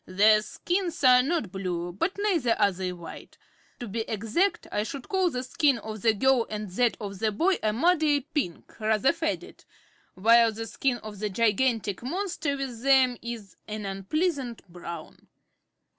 "Their skins are not blue, but neither are they white. To be exact, I should call the skin of the girl and that of the boy a muddy pink, rather faded, while the skin of the gigantic monster with them is an unpleasant brown."